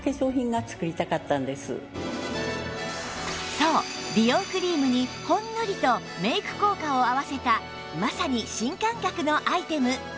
そう美容クリームにほんのりとメイク効果を合わせたまさに新感覚のアイテム